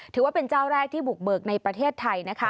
ถือว่าเป็นเจ้าแรกที่บุกเบิกในประเทศไทยนะคะ